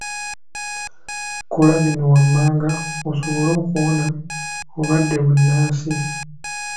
Kola bino wammanga osobole okuwona obulwadde bunnansi.